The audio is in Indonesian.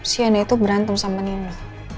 shena itu berantem sama nino